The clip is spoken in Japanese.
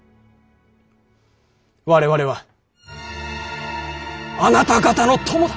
我々はあなた方の友だ。